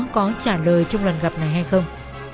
có trả lời trong lần gặp này hay không